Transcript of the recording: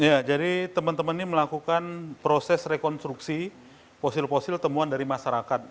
ya jadi teman teman ini melakukan proses rekonstruksi fosil fosil temuan dari masyarakat